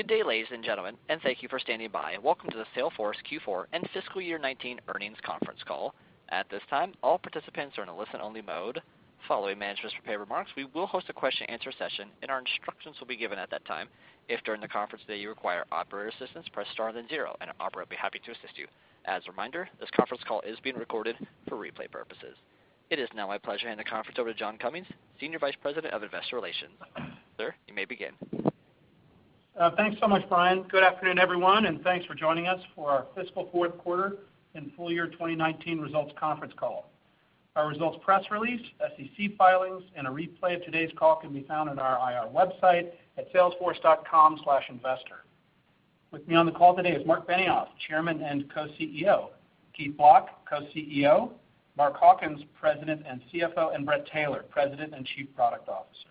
Good day, ladies and gentlemen. Thank you for standing by. Welcome to the Salesforce Q4 and fiscal year 2019 earnings conference call. At this time, all participants are in a listen-only mode. Following management's prepared remarks, we will host a question-and-answer session. Our instructions will be given at that time. If during the conference today, you require operator assistance, press star then zero. An operator will be happy to assist you. As a reminder, this conference call is being recorded for replay purposes. It is now my pleasure to hand the conference over to John Cummings, Senior Vice President of Investor Relations. Sir, you may begin. Thanks so much, Brian. Good afternoon, everyone. Thanks for joining us for our fiscal fourth quarter and full year 2019 results conference call. Our results, press release, SEC filings, and a replay of today's call can be found on our IR website at salesforce.com/investor. With me on the call today is Marc Benioff, Chairman and Co-CEO, Keith Block, Co-CEO, Mark Hawkins, President and CFO, and Bret Taylor, President and Chief Product Officer.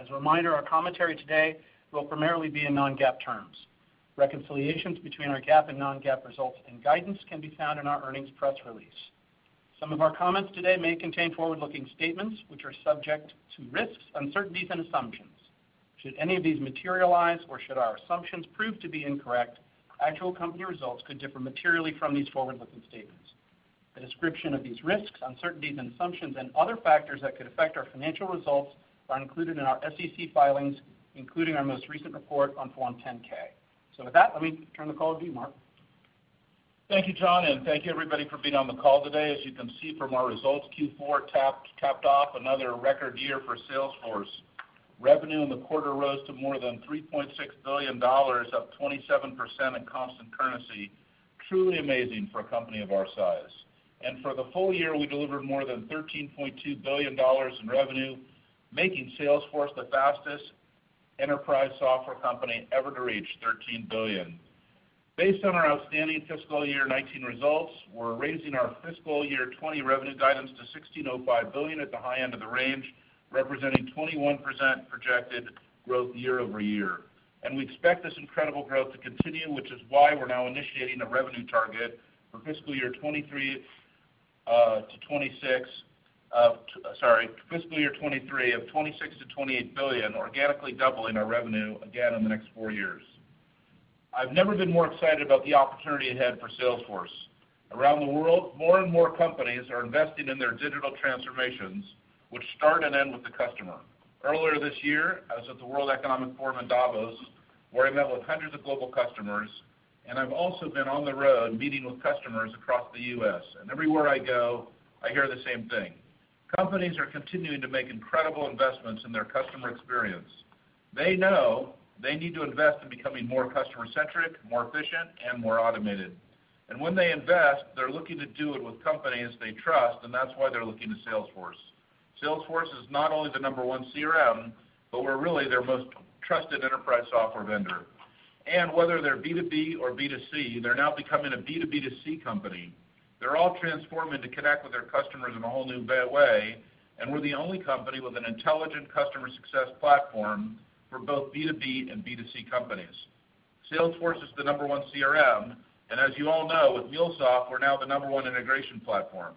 As a reminder, our commentary today will primarily be in non-GAAP terms. Reconciliations between our GAAP and non-GAAP results and guidance can be found in our earnings press release. Some of our comments today may contain forward-looking statements, which are subject to risks, uncertainties, and assumptions. Should any of these materialize or should our assumptions prove to be incorrect, actual company results could differ materially from these forward-looking statements. A description of these risks, uncertainties, and assumptions and other factors that could affect our financial results are included in our SEC filings, including our most recent report on Form 10-K. With that, let me turn the call over to you, Marc. Thank you, John. Thank you, everybody, for being on the call today. As you can see from our results, Q4 capped off another record year for Salesforce. Revenue in the quarter rose to more than $3.6 billion, up 27% in constant currency. Truly amazing for a company of our size. For the full year, we delivered more than $13.2 billion in revenue, making Salesforce the fastest enterprise software company ever to reach $13 billion. Based on our outstanding fiscal year 2019 results, we're raising our fiscal year 2020 revenue guidance to $16.05 billion at the high end of the range, representing 21% projected growth year-over-year. We expect this incredible growth to continue, which is why we're now initiating a revenue target for FY 2023 of $26 billion-$28 billion, organically doubling our revenue again in the next four years. I've never been more excited about the opportunity ahead for Salesforce. Around the world, more and more companies are investing in their digital transformations, which start and end with the customer. Earlier this year, I was at the World Economic Forum in Davos, where I met with hundreds of global customers. I've also been on the road meeting with customers across the U.S. Everywhere I go, I hear the same thing. Companies are continuing to make incredible investments in their customer experience. They know they need to invest in becoming more customer-centric, more efficient, and more automated. When they invest, they're looking to do it with companies they trust. That's why they're looking to Salesforce. Salesforce is not only the number 1 CRM, we're really their most trusted enterprise software vendor. Whether they're B2B or B2C, they're now becoming a B2B2C company. They're all transforming to connect with their customers in a whole new way. We're the only company with an intelligent customer success platform for both B2B and B2C companies. Salesforce is the number 1 CRM. As you all know, with MuleSoft, we're now the number 1 integration platform.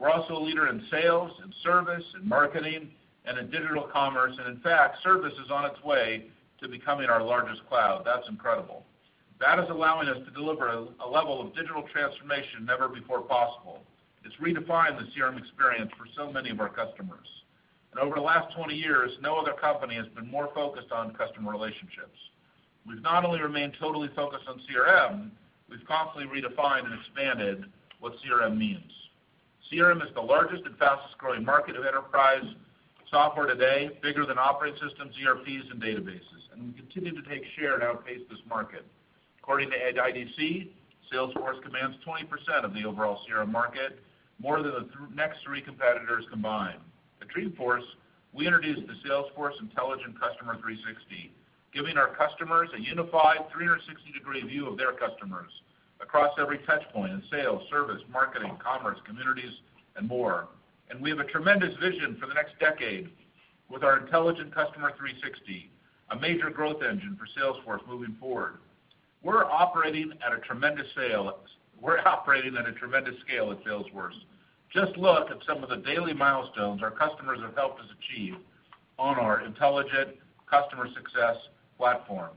We're also a leader in Sales, in Service, in Marketing, and in digital commerce. In fact, Service is on its way to becoming our largest cloud. That's incredible. That is allowing us to deliver a level of digital transformation never before possible. It's redefined the CRM experience for so many of our customers. Over the last 20 years, no other company has been more focused on customer relationships. We've not only remained totally focused on CRM, we've constantly redefined and expanded what CRM means. CRM is the largest and fastest-growing market of enterprise software today, bigger than operating systems, ERPs, and databases. We continue to take share and outpace this market. According to IDC, Salesforce commands 20% of the overall CRM market, more than the next three competitors combined. At Dreamforce, we introduced the Salesforce Intelligent Customer 360, giving our customers a unified 360-degree view of their customers across every touch point in Sales, Service, Marketing, Commerce, Communities, and more. We have a tremendous vision for the next decade with our Intelligent Customer 360, a major growth engine for Salesforce moving forward. We're operating at a tremendous scale at Salesforce. Just look at some of the daily milestones our customers have helped us achieve on our intelligent customer success platform.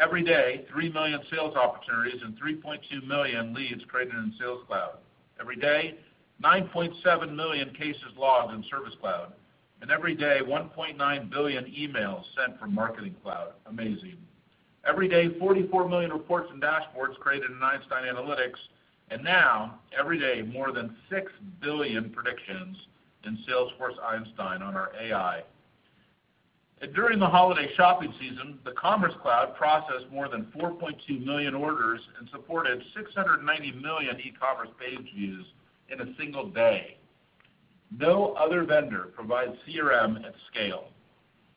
Every day, 3 million sales opportunities and 3.2 million leads created in Sales Cloud. Every day, 9.7 million cases logged in Service Cloud. Every day, 1.9 billion emails sent from Marketing Cloud. Amazing. Every day, 44 million reports and dashboards created in Einstein Analytics. Now, every day, more than 6 billion predictions in Salesforce Einstein on our AI. During the holiday shopping season, the Commerce Cloud processed more than 4.2 million orders and supported 690 million e-commerce page views in a single day. No other vendor provides CRM at scale.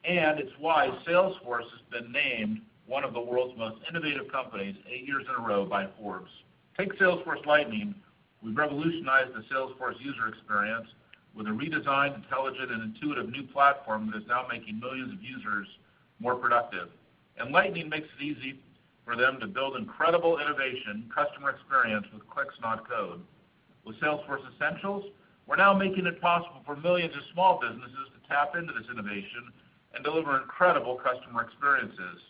It's why Salesforce has been named one of the world's most innovative companies eight years in a row by Forbes. Take Salesforce Lightning. We've revolutionized the Salesforce user experience with a redesigned, intelligent, and intuitive new platform that is now making millions of users more productive. Lightning makes it easy for them to build incredible innovation, customer experience with clicks, not code. With Salesforce Essentials, we're now making it possible for millions of small businesses to tap into this innovation and deliver incredible customer experiences.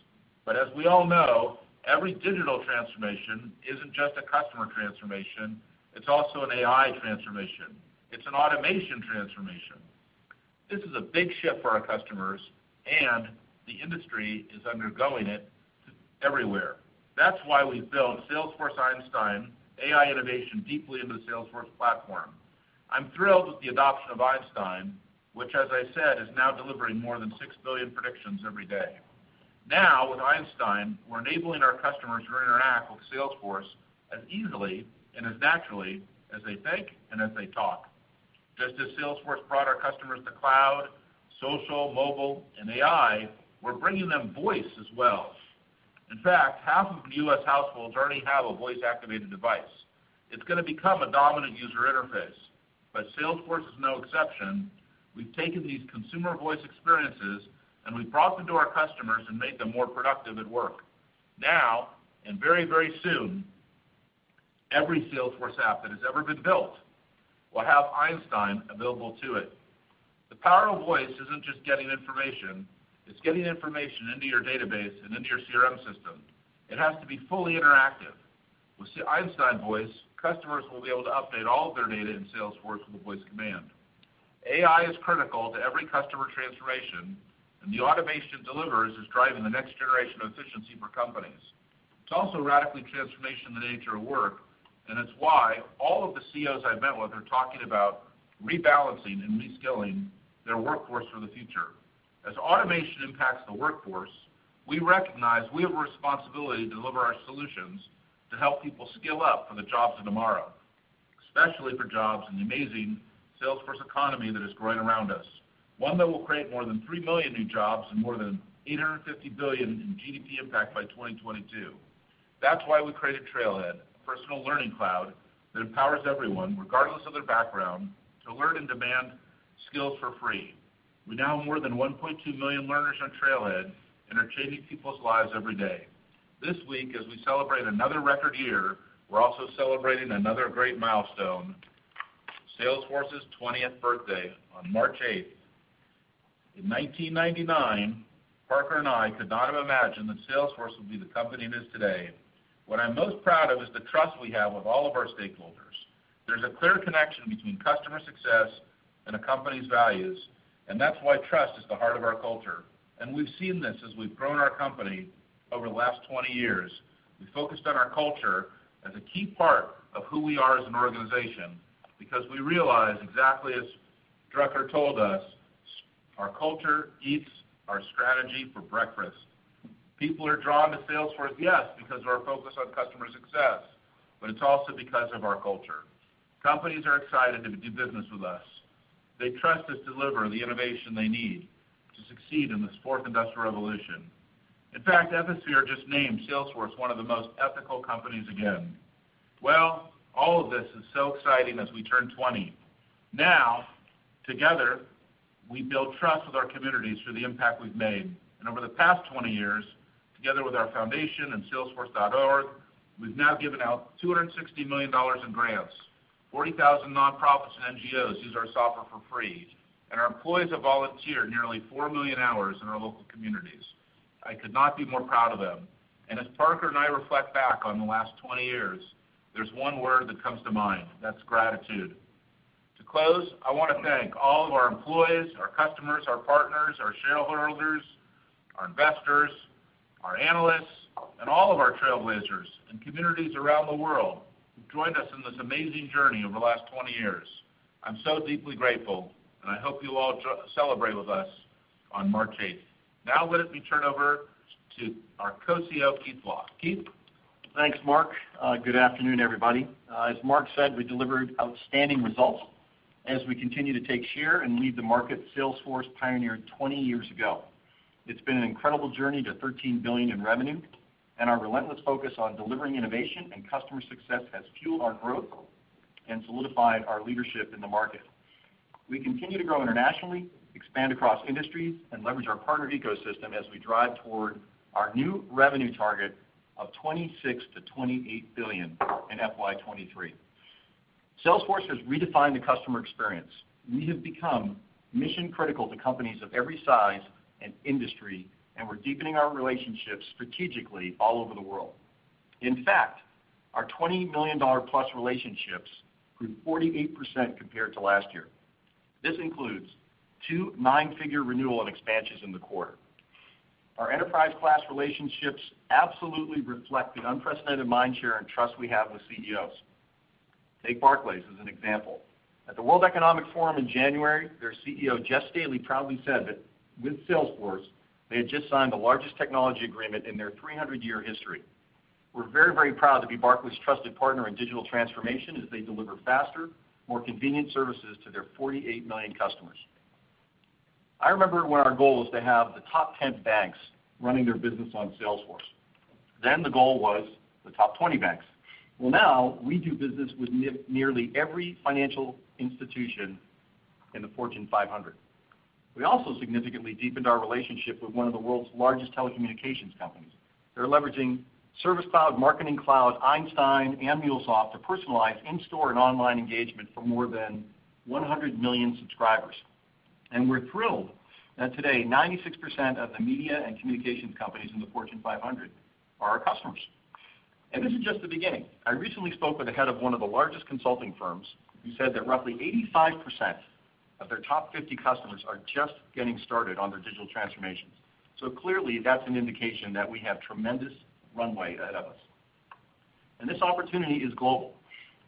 As we all know, every digital transformation isn't just a customer transformation, it's also an AI transformation. It's an automation transformation. This is a big shift for our customers, and the industry is undergoing it everywhere. That's why we've built Salesforce Einstein AI innovation deeply into the Salesforce platform. I'm thrilled with the adoption of Einstein, which as I said, is now delivering more than 6 billion predictions every day. Now, with Einstein, we're enabling our customers to interact with Salesforce as easily and as naturally as they think and as they talk. Just as Salesforce brought our customers to cloud, social, mobile, and AI, we're bringing them voice as well. In fact, half of U.S. households already have a voice-activated device. It's going to become a dominant user interface. Salesforce is no exception. We've taken these consumer voice experiences, we've brought them to our customers and made them more productive at work. Very, very soon, every Salesforce app that has ever been built will have Einstein available to it. The power of voice isn't just getting information, it's getting information into your database and into your CRM system. It has to be fully interactive. With Einstein Voice, customers will be able to update all of their data in Salesforce with a voice command. AI is critical to every customer transformation, the automation it delivers is driving the next generation of efficiency for companies. It's also radically transforming the nature of work, it's why all of the CEOs I've met with are talking about rebalancing and reskilling their workforce for the future. As automation impacts the workforce, we recognize we have a responsibility to deliver our solutions to help people skill up for the jobs of tomorrow, especially for jobs in the amazing Salesforce economy that is growing around us. One that will create more than 3 million new jobs and more than $850 billion in GDP impact by 2022. That's why we created Trailhead, a personal learning cloud that empowers everyone, regardless of their background, to learn in-demand skills for free. We now have more than 1.2 million learners on Trailhead and are changing people's lives every day. This week, as we celebrate another record year, we're also celebrating another great milestone, Salesforce's 20th birthday on March 8th. In 1999, Parker and I could not have imagined that Salesforce would be the company it is today. What I'm most proud of is the trust we have with all of our stakeholders. There's a clear connection between customer success and a company's values, that's why trust is the heart of our culture. We've seen this as we've grown our company over the last 20 years. We focused on our culture as a key part of who we are as an organization because we realize exactly as Drucker told us, our culture eats our strategy for breakfast. People are drawn to Salesforce, yes, because of our focus on customer success, it's also because of our culture. Companies are excited to do business with us. They trust us to deliver the innovation they need to succeed in this fourth industrial revolution. In fact, Ethisphere just named Salesforce one of the most ethical companies again. Well, all of this is so exciting as we turn 20. Together, we build trust with our communities through the impact we've made. Over the past 20 years, together with our foundation and Salesforce.org, we've now given out $260 million in grants. 40,000 nonprofits and NGOs use our software for free, and our employees have volunteered nearly 4 million hours in our local communities. I could not be more proud of them. As Parker and I reflect back on the last 20 years, there's one word that comes to mind. That's gratitude. To close, I want to thank all of our employees, our customers, our partners, our shareholders, our investors, our analysts, and all of our trailblazers and communities around the world who've joined us on this amazing journey over the last 20 years. I'm so deeply grateful, and I hope you all celebrate with us on March 8th. Let me turn it over to our Co-CEO, Keith Block. Keith? Thanks, Mark. Good afternoon, everybody. As Mark said, we delivered outstanding results as we continue to take share and lead the market Salesforce pioneered 20 years ago. It's been an incredible journey to $13 billion in revenue. Our relentless focus on delivering innovation and customer success has fueled our growth and solidified our leadership in the market. We continue to grow internationally, expand across industries, and leverage our partner ecosystem as we drive toward our new revenue target of $26 billion-$28 billion in FY 2023. Salesforce has redefined the customer experience. We have become mission-critical to companies of every size and industry, and we're deepening our relationships strategically all over the world. In fact, our $20 million-plus relationships grew 48% compared to last year. This includes two nine-figure renewal and expansions in the quarter. Our enterprise-class relationships absolutely reflect the unprecedented mind share and trust we have with CEOs. Take Barclays as an example. At the World Economic Forum in January, their CEO, Jes Staley, proudly said that with Salesforce, they had just signed the largest technology agreement in their 300-year history. We're very, very proud to be Barclays' trusted partner in digital transformation as they deliver faster, more convenient services to their 48 million customers. I remember when our goal was to have the top 10 banks running their business on Salesforce. Then the goal was the top 20 banks. Well, now, we do business with nearly every financial institution in the Fortune 500. We also significantly deepened our relationship with one of the world's largest telecommunications companies. They're leveraging Service Cloud, Marketing Cloud, Einstein, and MuleSoft to personalize in-store and online engagement for more than 100 million subscribers. We're thrilled that today, 96% of the media and communications companies in the Fortune 500 are our customers. This is just the beginning. I recently spoke with the head of one of the largest consulting firms, who said that roughly 85% of their top 50 customers are just getting started on their digital transformations. Clearly, that's an indication that we have tremendous runway ahead of us. This opportunity is global.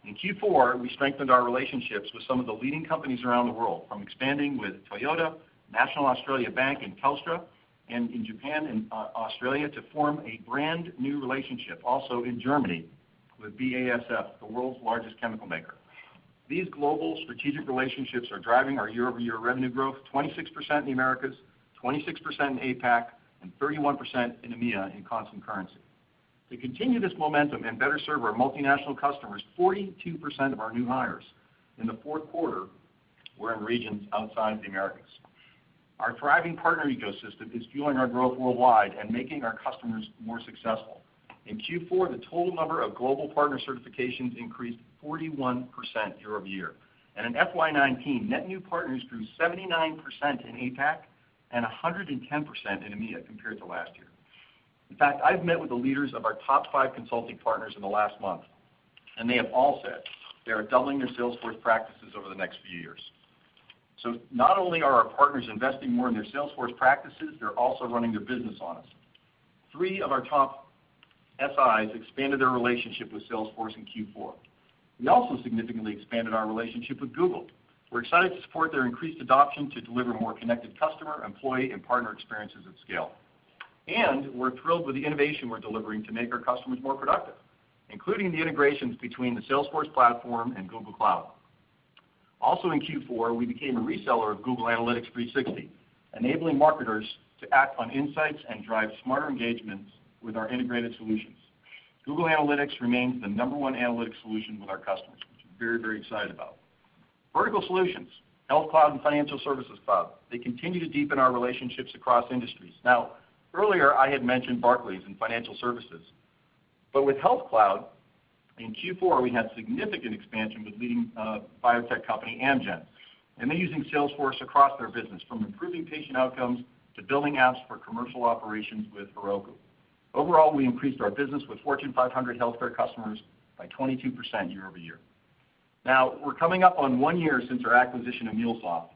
In Q4, we strengthened our relationships with some of the leading companies around the world. From expanding with Toyota, National Australia Bank, and Telstra, in Japan and Australia, to form a brand-new relationship also in Germany with BASF, the world's largest chemical maker. These global strategic relationships are driving our year-over-year revenue growth 26% in the Americas, 26% in APAC, and 31% in EMEA in constant currency. To continue this momentum and better serve our multinational customers, 42% of our new hires in the fourth quarter were in regions outside the Americas. Our thriving partner ecosystem is fueling our growth worldwide and making our customers more successful. In Q4, the total number of global partner certifications increased 41% year-over-year. In FY 2019, net new partners grew 79% in APAC and 110% in EMEA compared to last year. In fact, I've met with the leaders of our top five consulting partners in the last month, and they have all said they are doubling their Salesforce practices over the next few years. Not only are our partners investing more in their Salesforce practices, they're also running their business on us. Three of our top SIs expanded their relationship with Salesforce in Q4. We also significantly expanded our relationship with Google. We're excited to support their increased adoption to deliver more connected customer, employee, and partner experiences at scale. We're thrilled with the innovation we're delivering to make our customers more productive, including the integrations between the Salesforce platform and Google Cloud. Also in Q4, we became a reseller of Google Analytics 360, enabling marketers to act on insights and drive smarter engagements with our integrated solutions. Google Analytics remains the number one analytics solution with our customers, which we're very, very excited about. Vertical solutions, Health Cloud and Financial Services Cloud, they continue to deepen our relationships across industries. Earlier I had mentioned Barclays and financial services, but with Health Cloud, in Q4, we had significant expansion with leading biotech company Amgen. They're using Salesforce across their business, from improving patient outcomes to building apps for commercial operations with Heroku. Overall, we increased our business with Fortune 500 healthcare customers by 22% year-over-year. We're coming up on one year since our acquisition of MuleSoft,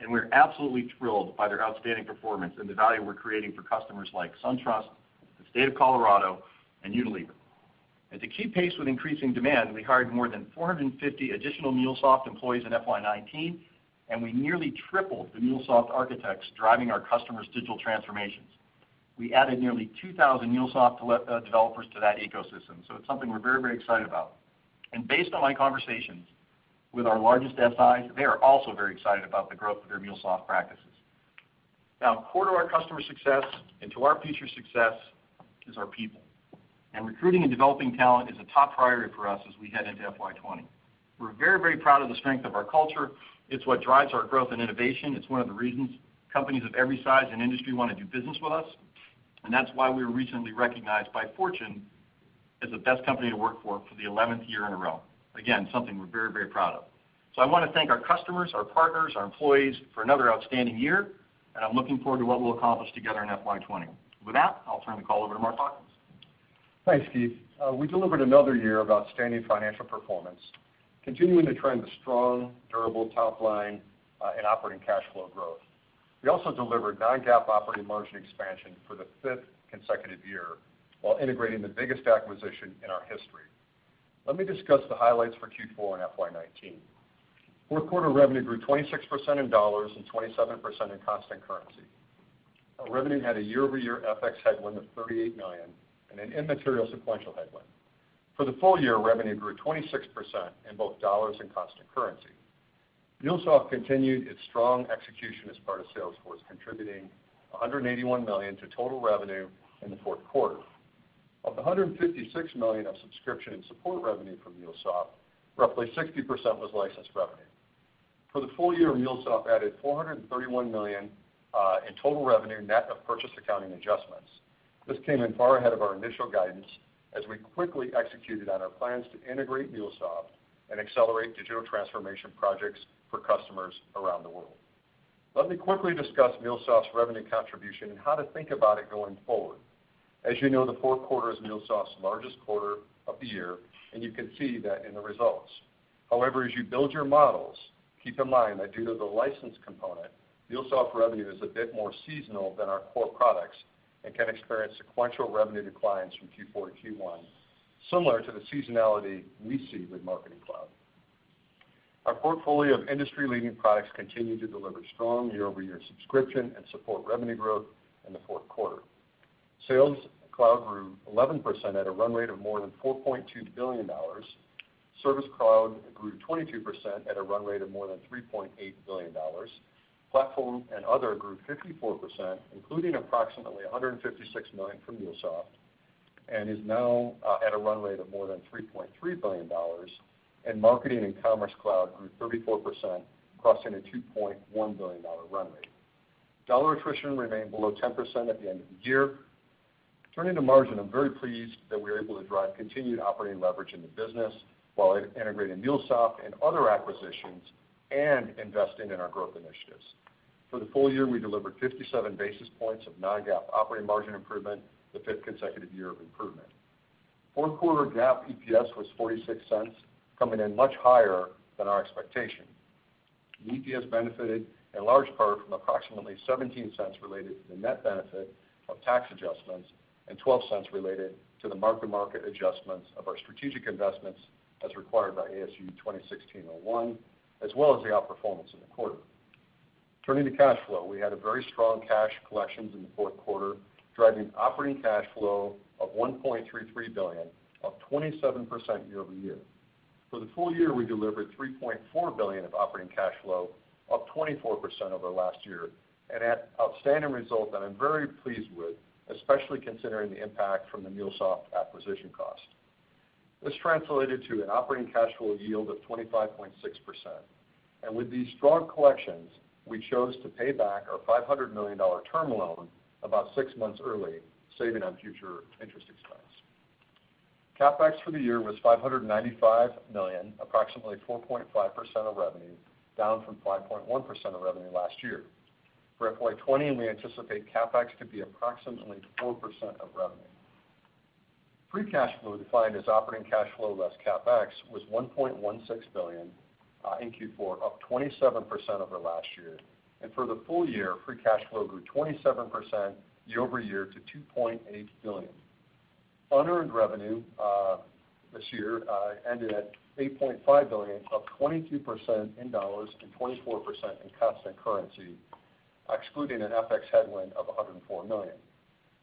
and we're absolutely thrilled by their outstanding performance and the value we're creating for customers like SunTrust, the State of Colorado, and Unilever. To keep pace with increasing demand, we hired more than 450 additional MuleSoft employees in FY 2019, and we nearly tripled the MuleSoft architects driving our customers' digital transformations. We added nearly 2,000 MuleSoft developers to that ecosystem, it's something we're very, very excited about. Based on my conversations with our largest SIs, they are also very excited about the growth of their MuleSoft practices. Core to our customer success and to our future success is our people. Recruiting and developing talent is a top priority for us as we head into FY 2020. We're very, very proud of the strength of our culture. It's what drives our growth and innovation. It's one of the reasons companies of every size and industry want to do business with us. That's why we were recently recognized by Fortune as the best company to work for the 11th year in a row. Again, something we're very, very proud of. I want to thank our customers, our partners, our employees for another outstanding year, and I'm looking forward to what we'll accomplish together in FY 2020. With that, I'll turn the call over to Marc Hawkins. Thanks, Keith. We delivered another year of outstanding financial performance, continuing to trend the strong, durable top line and operating cash flow growth. We also delivered non-GAAP operating margin expansion for the fifth consecutive year while integrating the biggest acquisition in our history. Let me discuss the highlights for Q4 and FY 2019. Fourth quarter revenue grew 26% in dollars and 27% in constant currency. Our revenue had a year-over-year FX headwind of $38 million and an immaterial sequential headwind. For the full year, revenue grew 26% in both dollars and constant currency. MuleSoft continued its strong execution as part of Salesforce, contributing $181 million to total revenue in the fourth quarter. Of the $156 million of subscription and support revenue from MuleSoft, roughly 60% was licensed revenue. For the full year, MuleSoft added $431 million in total revenue, net of purchase accounting adjustments. This came in far ahead of our initial guidance as we quickly executed on our plans to integrate MuleSoft and accelerate digital transformation projects for customers around the world. Let me quickly discuss MuleSoft's revenue contribution and how to think about it going forward. As you know, the fourth quarter is MuleSoft's largest quarter of the year, and you can see that in the results. However, as you build your models, keep in mind that due to the license component, MuleSoft revenue is a bit more seasonal than our core products and can experience sequential revenue declines from Q4 to Q1, similar to the seasonality we see with Marketing Cloud. Our portfolio of industry-leading products continued to deliver strong year-over-year subscription and support revenue growth in the fourth quarter. Sales Cloud grew 11% at a run rate of more than $4.2 billion. Service Cloud grew 22% at a run rate of more than $3.8 billion. Platform and other grew 54%, including approximately $156 million from MuleSoft. It is now at a runway of more than $3.3 billion. Marketing and Commerce Cloud grew 34%, crossing a $2.1 billion runway. Dollar attrition remained below 10% at the end of the year. Turning to margin, I'm very pleased that we were able to drive continued operating leverage in the business while integrating MuleSoft and other acquisitions, and investing in our growth initiatives. For the full year, we delivered 57 basis points of non-GAAP operating margin improvement, the fifth consecutive year of improvement. Fourth quarter GAAP EPS was $0.46, coming in much higher than our expectation. The EPS benefited in large part from approximately $0.17 related to the net benefit of tax adjustments and $0.12 related to the mark-to-market adjustments of our strategic investments as required by ASU 2016-01, as well as the outperformance in the quarter. Turning to cash flow, we had very strong cash collections in the fourth quarter, driving operating cash flow of $1.33 billion, up 27% year-over-year. For the full year, we delivered $3.4 billion of operating cash flow, up 24% over last year, an outstanding result that I'm very pleased with, especially considering the impact from the MuleSoft acquisition cost. This translated to an operating cash flow yield of 25.6%. With these strong collections, we chose to pay back our $500 million term loan about six months early, saving on future interest expense. CapEx for the year was $595 million, approximately 4.5% of revenue, down from 5.1% of revenue last year. For FY 2020, we anticipate CapEx to be approximately 4% of revenue. Free cash flow, defined as operating cash flow less CapEx, was $1.16 billion in Q4, up 27% over last year. For the full year, free cash flow grew 27% year-over-year to $2.8 billion. Unearned revenue this year ended at $8.5 billion, up 22% in dollars and 24% in constant currency, excluding an FX headwind of $104 million.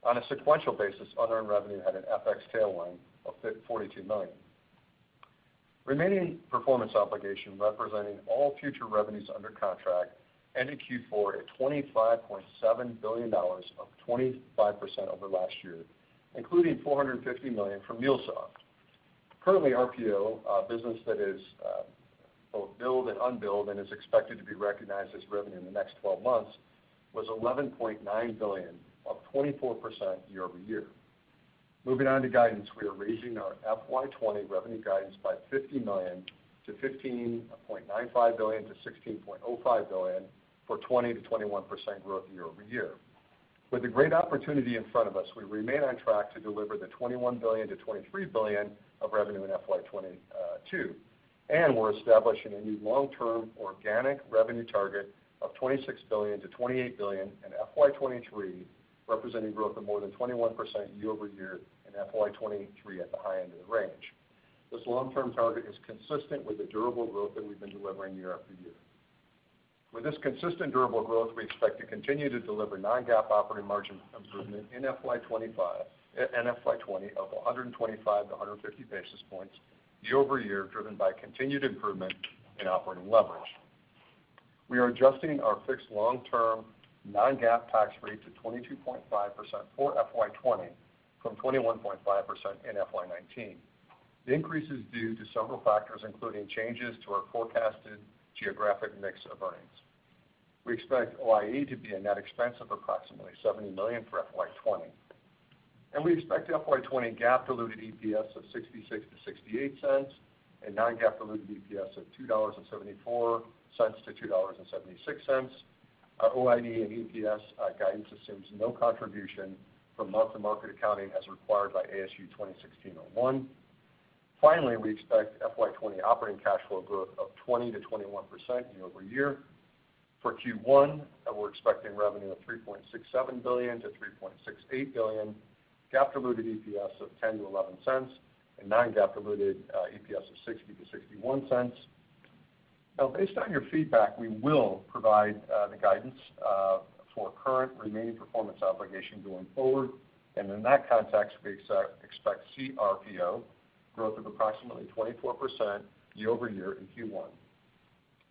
On a sequential basis, unearned revenue had an FX tailwind of $42 million. Remaining performance obligation, representing all future revenues under contract, ended Q4 at $25.7 billion, up 25% over last year, including $450 million from MuleSoft. Currently, RPO, business that is both billed and unbilled and is expected to be recognized as revenue in the next 12 months, was $11.9 billion, up 24% year-over-year. Moving on to guidance, we are raising our FY 2020 revenue guidance by $50 million to $15.95 billion-$16.05 billion for 20%-21% growth year-over-year. With the great opportunity in front of us, we remain on track to deliver the $21 billion-$23 billion of revenue in FY 2022, and we're establishing a new long-term organic revenue target of $26 billion-$28 billion in FY 2023, representing growth of more than 21% year-over-year in FY 2023 at the high end of the range. This long-term target is consistent with the durable growth that we've been delivering year after year. With this consistent durable growth, we expect to continue to deliver non-GAAP operating margin improvement in FY 2020 of 125-150 basis points year-over-year, driven by continued improvement in operating leverage. We are adjusting our fixed long-term non-GAAP tax rate to 22.5% for FY 2020 from 21.5% in FY 2019. The increase is due to several factors, including changes to our forecasted geographic mix of earnings. We expect OIE to be a net expense of approximately $70 million for FY 2020. We expect FY 2020 GAAP diluted EPS of $0.66-$0.68 and non-GAAP diluted EPS of $2.74-$2.76. Our OIE and EPS guidance assumes no contribution from mark-to-market accounting as required by ASU 2016-01. Finally, we expect FY 2020 operating cash flow growth of 20%-21% year-over-year. For Q1, we're expecting revenue of $3.67 billion-$3.68 billion, GAAP diluted EPS of $0.10-$0.11, and non-GAAP diluted EPS of $0.60-$0.61. Based on your feedback, we will provide the guidance for current remaining performance obligation going forward, and in that context, we expect CRPO growth of approximately 24% year-over-year in Q1.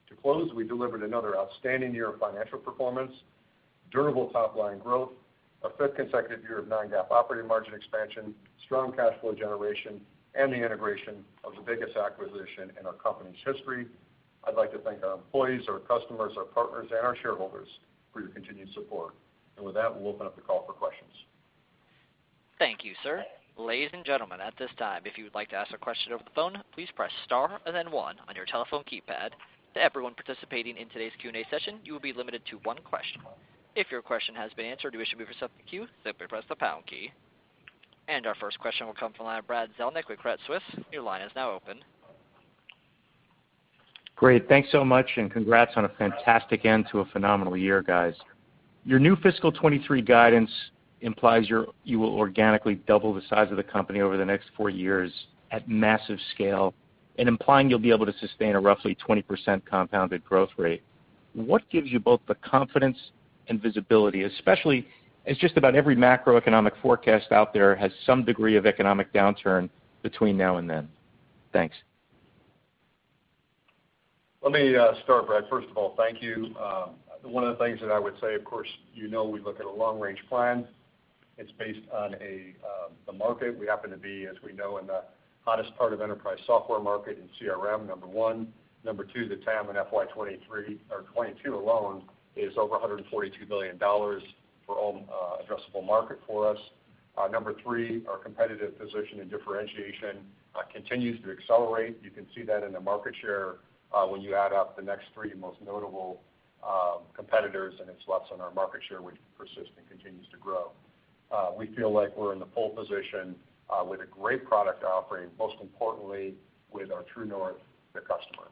To close, we delivered another outstanding year of financial performance, durable top-line growth, a fifth consecutive year of non-GAAP operating margin expansion, strong cash flow generation, and the integration of the biggest acquisition in our company's history. I'd like to thank our employees, our customers, our partners, and our shareholders for your continued support. With that, we'll open up the call for questions. Thank you, sir. Ladies and gentlemen, at this time, if you would like to ask a question over the phone, please press star and then one on your telephone keypad. To everyone participating in today's Q&A session, you will be limited to one question. If your question has been answered or you wish to be removed from the queue, simply press the pound key. Our first question will come from the line of Brad Zelnick with Credit Suisse. Your line is now open. Great. Thanks so much. Congrats on a fantastic end to a phenomenal year, guys. Your new fiscal 2023 guidance implies you will organically double the size of the company over the next four years at massive scale and implying you'll be able to sustain a roughly 20% compounded growth rate. What gives you both the confidence and visibility, especially as just about every macroeconomic forecast out there has some degree of economic downturn between now and then? Thanks. Let me start, Brad. First of all, thank you. One of the things that I would say, of course, you know, we look at a long-range plan. It's based on the market. We happen to be, as we know, in the hottest part of enterprise software market, in CRM, number one. Number two, the TAM in FY 2023 or 2022 alone is over $142 million for all addressable market for us. Number three, our competitive position and differentiation continues to accelerate. You can see that in the market share, when you add up the next three most notable competitors, it slaps on our market share, which persists and continues to grow. We feel like we're in the pole position, with a great product offering, most importantly, with our true north, the customer.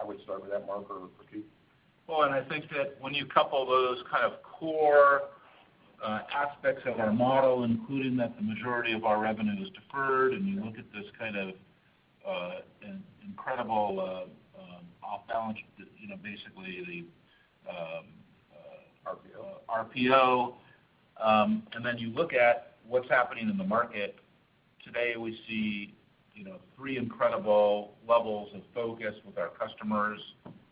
I would start with that, Mark or Keith. Well, I think that when you couple those kind of core aspects of our model, including that the majority of our revenue is deferred, and you look at this kind of incredible off-balance. RPO RPO. Then you look at what's happening in the market today, we see three incredible levels of focus with our customers,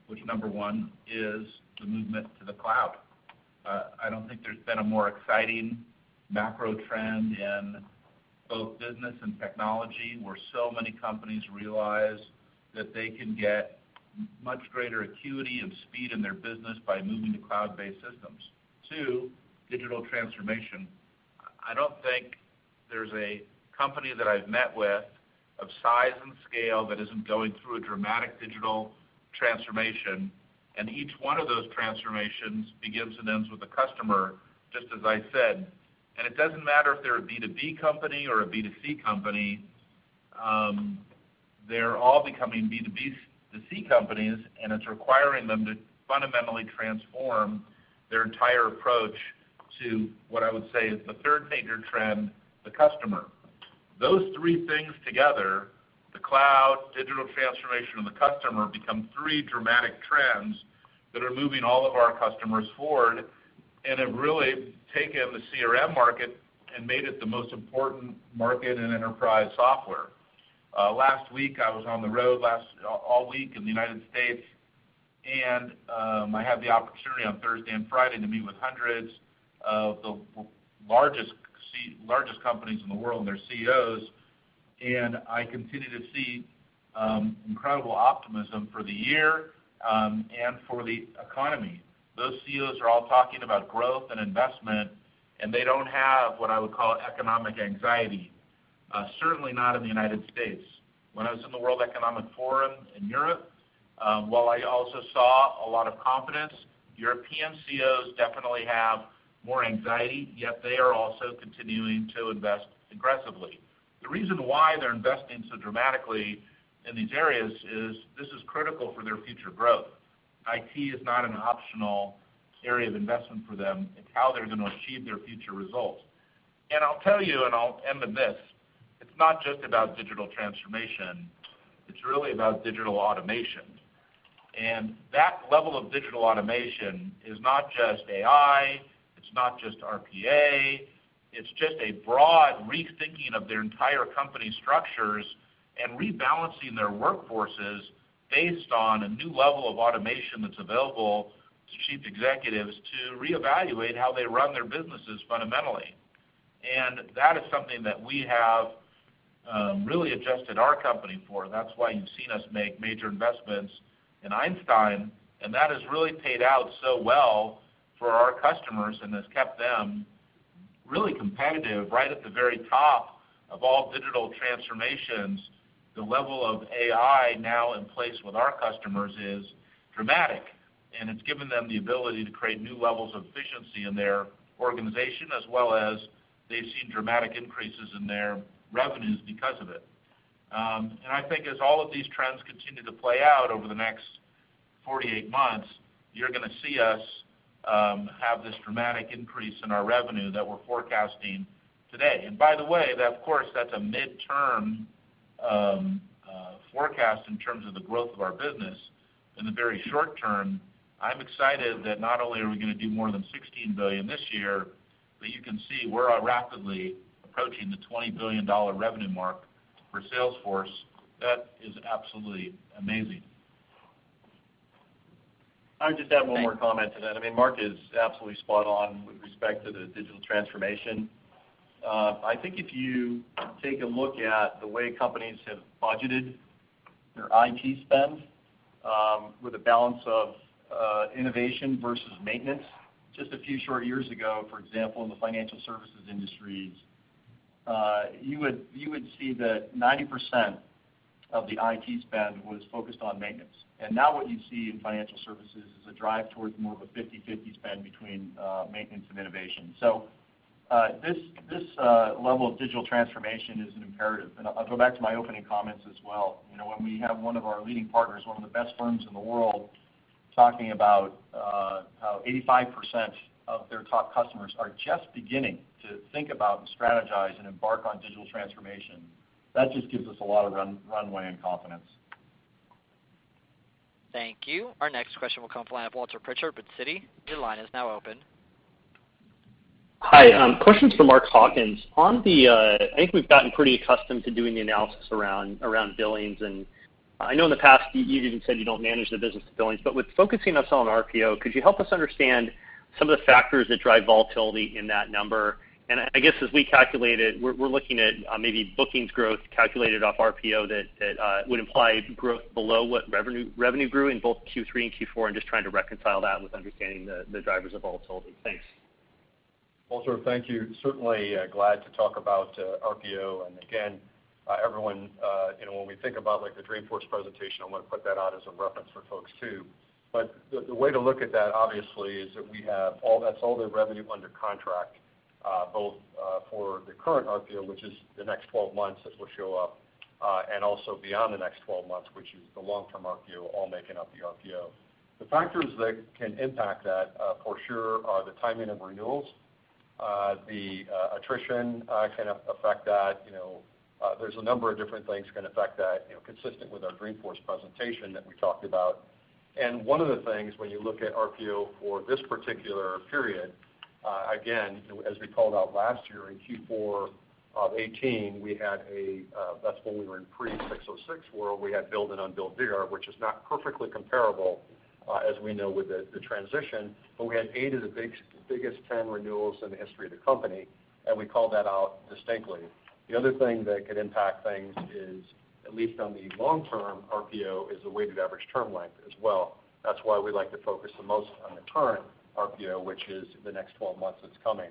which number one is the movement to the cloud. I don't think there's been a more exciting macro trend in both business and technology, where so many companies realize that they can get much greater acuity and speed in their business by moving to cloud-based systems. Two, digital transformation. I don't think there's a company that I've met with, of size and scale, that isn't going through a dramatic digital transformation, and each one of those transformations begins and ends with a customer, just as I said. It doesn't matter if they're a B2B company or a B2C company, they're all becoming B2B2C companies, and it's requiring them to fundamentally transform their entire approach to what I would say is the third major trend, the customer. Those three things together, the cloud, digital transformation, and the customer become three dramatic trends that are moving all of our customers forward, and have really taken the CRM market and made it the most important market in enterprise software. Last week I was on the road, all week in the U.S., I had the opportunity on Thursday and Friday to meet with hundreds of the largest companies in the world and their CEOs, I continue to see incredible optimism for the year, for the economy. Those CEOs are all talking about growth and investment, they don't have what I would call economic anxiety. Certainly not in the U.S. When I was in the World Economic Forum in Europe, while I also saw a lot of confidence, European CEOs definitely have more anxiety, yet they are also continuing to invest aggressively. The reason why they're investing so dramatically in these areas is this is critical for their future growth. IT is not an optional area of investment for them. It's how they're going to achieve their future results. I'll tell you, I'll end with this, it's not just about digital transformation, it's really about digital automation. That level of digital automation is not just AI, it's not just RPA, it's just a broad rethinking of their entire company structures and rebalancing their workforces based on a new level of automation that's available to chief executives to reevaluate how they run their businesses fundamentally. That is something that we have really adjusted our company for. That's why you've seen us make major investments in Einstein. That has really paid out so well for our customers and has kept them really competitive right at the very top of all digital transformations. The level of AI now in place with our customers is dramatic. It's given them the ability to create new levels of efficiency in their organization, as well as they've seen dramatic increases in their revenues because of it. I think as all of these trends continue to play out over the next 48 months, you're going to see us have this dramatic increase in our revenue that we're forecasting today. By the way, that of course, that's a midterm forecast in terms of the growth of our business. In the very short term, I'm excited that not only are we going to do more than $16 billion this year, but you can see we're rapidly approaching the $20 billion revenue mark for Salesforce. That is absolutely amazing. I would just add one more comment to that. Mark is absolutely spot on with respect to the digital transformation. I think if you take a look at the way companies have budgeted their IT spend, with a balance of innovation versus maintenance, just a few short years ago, for example, in the financial services industries, you would see that 90% of the IT spend was focused on maintenance. Now what you see in financial services is a drive towards more of a 50/50 spend between maintenance and innovation. This level of digital transformation is an imperative, and I'll go back to my opening comments as well. When we have one of our leading partners, one of the best firms in the world, talking about how 85% of their top customers are just beginning to think about and strategize and embark on digital transformation, that just gives us a lot of runway and confidence. Thank you. Our next question will come from Walter Pritchard with Citi. Your line is now open. Hi. Questions for Mark Hawkins. I think we've gotten pretty accustomed to doing the analysis around billings, and I know in the past, you even said you don't manage the business to billings. With focusing us on RPO, could you help us understand some of the factors that drive volatility in that number? I guess as we calculate it, we're looking at maybe bookings growth calculated off RPO that would imply growth below what revenue grew in both Q3 and Q4, and just trying to reconcile that with understanding the drivers of volatility. Thanks. Walter, thank you. Certainly glad to talk about RPO. Again, everyone, when we think about the Dreamforce presentation, I want to put that out as a reference for folks, too. The way to look at that, obviously, is that we have all the revenue under contract, both for the current RPO, which is the next 12 months that will show up, and also beyond the next 12 months, which is the long-term RPO, all making up the RPO. The factors that can impact that for sure are the timing of renewals. The attrition can affect that. There's a number of different things can affect that, consistent with our Dreamforce presentation that we talked about. One of the things when you look at RPO for this particular period, again, as we called out last year in Q4 of 2018, that's when we were in pre-606 world. We had billed and unbilled DR, which is not perfectly comparable, as we know with the transition, but we had eight of the biggest 10 renewals in the history of the company. We called that out distinctly. The other thing that could impact things is, at least on the long term, RPO is the weighted average term length as well. That's why we like to focus the most on the current RPO, which is the next 12 months that's coming.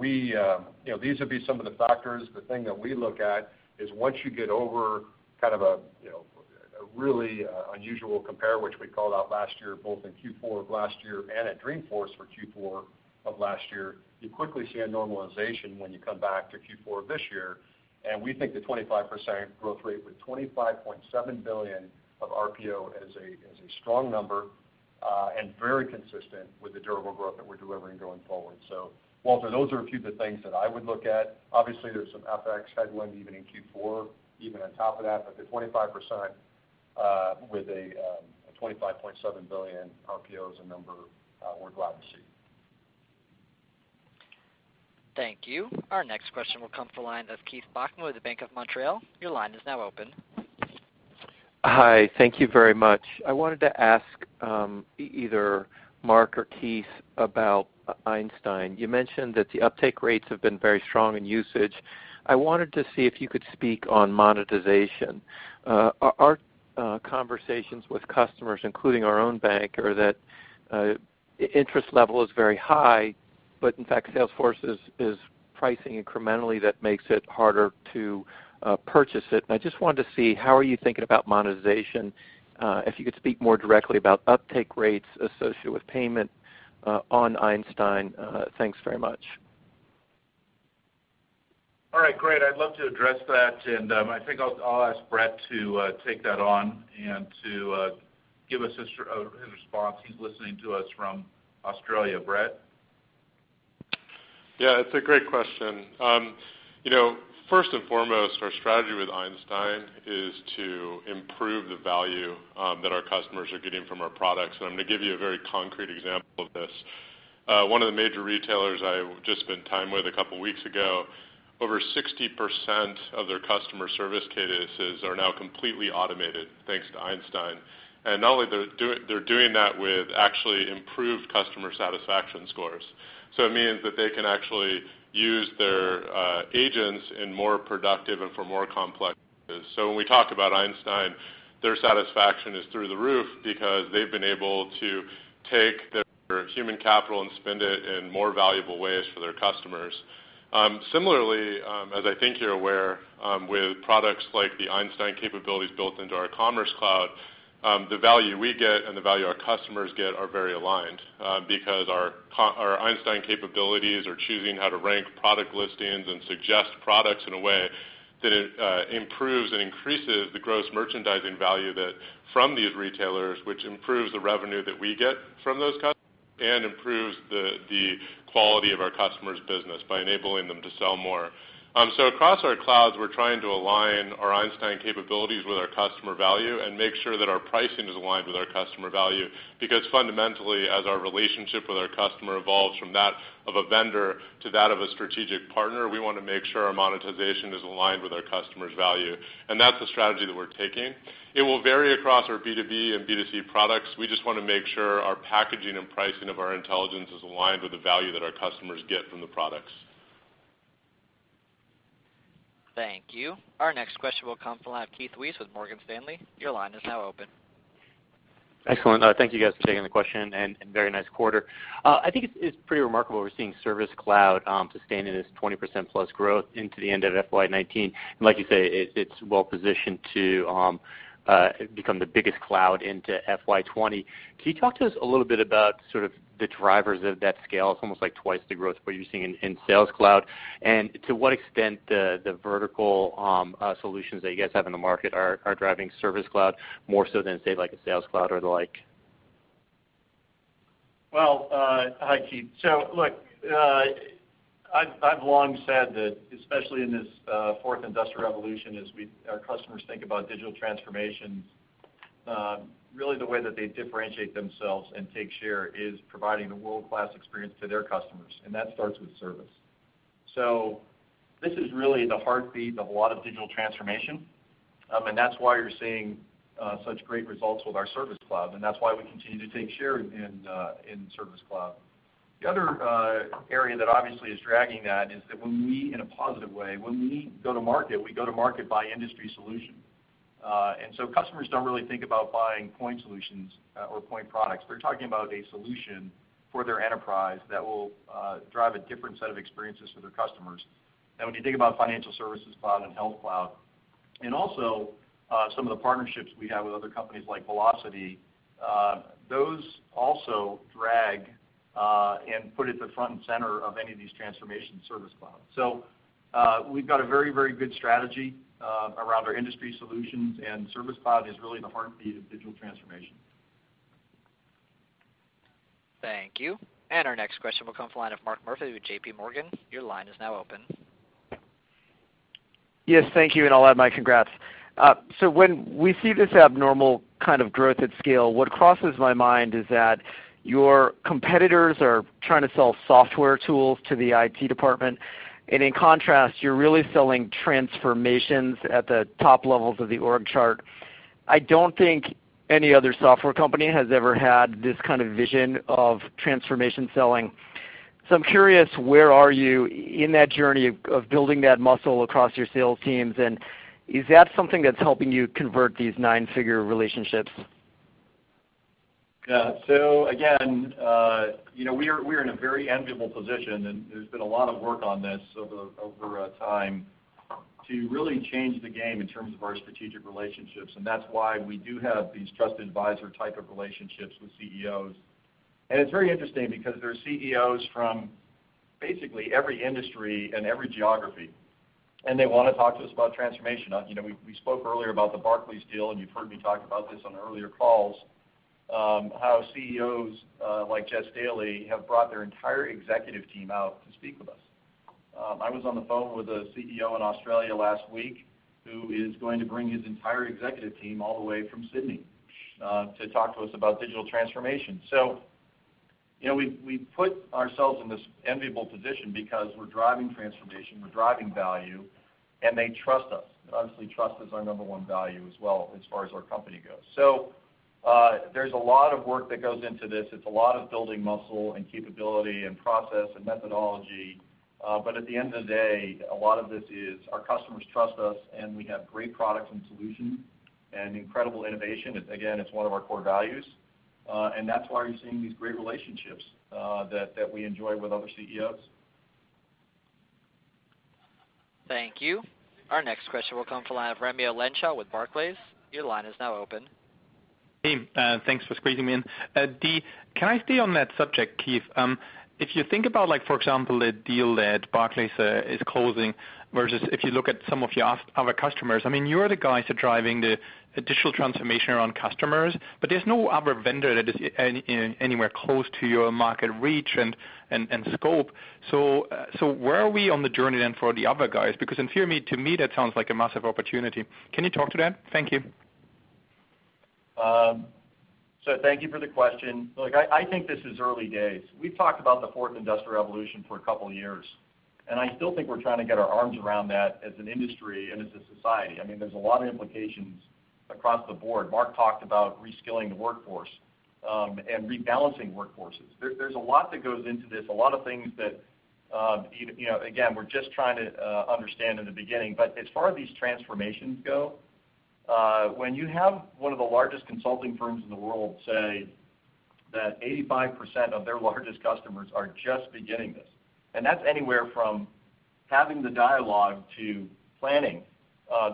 These would be some of the factors. The thing that we look at is once you get over kind of a really unusual compare, which we called out last year, both in Q4 of last year and at Dreamforce for Q4 of last year, you quickly see a normalization when you come back to Q4 of this year. We think the 25% growth rate with $25.7 billion of RPO is a strong number, very consistent with the durable growth that we're delivering going forward. Walter, those are a few of the things that I would look at. Obviously, there's some FX headwind even in Q4, even on top of that. The 25% with a $25.7 billion RPO is a number we're glad to see. Thank you. Our next question will come from the line of Keith Bachman with the Bank of Montreal. Your line is now open. Hi. Thank you very much. I wanted to ask either Mark or Keith about Einstein. You mentioned that the uptake rates have been very strong in usage. I wanted to see if you could speak on monetization. Our conversations with customers, including our own bank, are that interest level is very high, but in fact, Salesforce is pricing incrementally that makes it harder to purchase it. I just wanted to see, how are you thinking about monetization? If you could speak more directly about uptake rates associated with payment on Einstein. Thanks very much. All right. Great. I'd love to address that, I think I'll ask Bret to take that on and to give us his response. He's listening to us from Australia. Bret? Yeah, it's a great question. First and foremost, our strategy with Einstein is to improve the value that our customers are getting from our products. I'm going to give you a very concrete example of this. One of the major retailers I've just spent time with a couple of weeks ago, over 60% of their customer service cases are now completely automated, thanks to Einstein. Not only they're doing that with actually improved customer satisfaction scores. It means that they can actually use their agents in more productive and for more complex cases. When we talk about Einstein, their satisfaction is through the roof because they've been able to take their human capital and spend it in more valuable ways for their customers. Similarly, as I think you're aware, with products like the Einstein capabilities built into our Commerce Cloud, the value we get and the value our customers get are very aligned. Because our Einstein capabilities are choosing how to rank product listings and suggest products in a way that it improves and increases the gross merchandising value from these retailers, which improves the revenue that we get from those customers and improves the quality of our customers' business by enabling them to sell more. Across our clouds, we're trying to align our Einstein capabilities with our customer value and make sure that our pricing is aligned with our customer value. Because fundamentally, as our relationship with our customer evolves from that of a vendor to that of a strategic partner, we want to make sure our monetization is aligned with our customer's value. That's the strategy that we're taking. It will vary across our B2B and B2C products. We just want to make sure our packaging and pricing of our intelligence is aligned with the value that our customers get from the products. Thank you. Our next question will come from the line of Keith Weiss with Morgan Stanley. Your line is now open. Excellent. Thank you guys for taking the question, very nice quarter. I think it's pretty remarkable we're seeing Service Cloud sustaining this 20%+ growth into the end of FY 2019. Like you say, it's well-positioned to become the biggest cloud into FY 2020. Can you talk to us a little bit about sort of the drivers of that scale? It's almost like twice the growth we're using in Sales Cloud. To what extent the vertical solutions that you guys have in the market are driving Service Cloud more so than, say, like a Sales Cloud or the like? Well, hi, Keith. Look, I've long said that, especially in this fourth industrial revolution, as our customers think about digital transformation. Really the way that they differentiate themselves and take share is providing a world-class experience to their customers, and that starts with service. This is really the heartbeat of a lot of digital transformation, and that's why you're seeing such great results with our Service Cloud, and that's why we continue to take share in Service Cloud. The other area that obviously is dragging that is that when we, in a positive way, when we go to market, we go to market by industry solution. Customers don't really think about buying point solutions or point products. They're talking about a solution for their enterprise that will drive a different set of experiences for their customers. When you think about Financial Services Cloud and Health Cloud, and also some of the partnerships we have with other companies like Vlocity, those also drag, and put at the front and center of any of these transformations, Service Cloud. We've got a very good strategy around our industry solutions, and Service Cloud is really the heartbeat of digital transformation. Thank you. Our next question will come from the line of Mark Murphy with JPMorgan. Your line is now open. Yes. Thank you, and I'll add my congrats. When we see this abnormal kind of growth at scale, what crosses my mind is that your competitors are trying to sell software tools to the IT department, and in contrast, you're really selling transformations at the top levels of the org chart. I don't think any other software company has ever had this kind of vision of transformation selling. I'm curious, where are you in that journey of building that muscle across your sales teams? Is that something that's helping you convert these nine-figure relationships? Yeah. Again, we are in a very enviable position, and there's been a lot of work on this over time to really change the game in terms of our strategic relationships. That's why we do have these trusted advisor type of relationships with CEOs. It's very interesting because they're CEOs from basically every industry and every geography, and they want to talk to us about transformation. We spoke earlier about the Barclays deal, and you've heard me talk about this on earlier calls, how CEOs, like Jes Staley, have brought their entire executive team out to speak with us. I was on the phone with a CEO in Australia last week who is going to bring his entire executive team all the way from Sydney to talk to us about digital transformation. We've put ourselves in this enviable position because we're driving transformation, we're driving value, and they trust us. Obviously, trust is our number one value as well, as far as our company goes. There's a lot of work that goes into this. It's a lot of building muscle and capability and process and methodology. At the end of the day, a lot of this is our customers trust us, and we have great products and solutions and incredible innovation. Again, it's one of our core values. That's why you're seeing these great relationships that we enjoy with other CEOs. Thank you. Our next question will come from the line of Raimo Lenschow with Barclays. Your line is now open. Hey, thanks for squeezing me in. Can I stay on that subject, Keith? If you think about, for example, a deal that Barclays is closing versus if you look at some of your other customers, you are the guys who are driving the digital transformation around customers, but there's no other vendor that is anywhere close to your market reach and scope. Where are we on the journey then for the other guys? Because in theory, to me, that sounds like a massive opportunity. Can you talk to that? Thank you. Thank you for the question. Look, I think this is early days. We've talked about the fourth industrial revolution for a couple of years, and I still think we're trying to get our arms around that as an industry and as a society. There's a lot of implications across the board. Mark talked about reskilling the workforce, and rebalancing workforces. There's a lot that goes into this, a lot of things that, again, we're just trying to understand in the beginning. As far as these transformations go, when you have one of the largest consulting firms in the world say that 85% of their largest customers are just beginning this, and that's anywhere from having the dialogue to planning